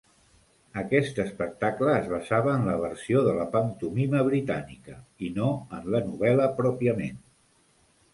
Aquest espectacle es basava en la versió de la pantomima britànica i no en la novel·la pròpiament.